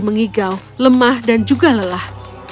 mengigau lemah dan juga lelah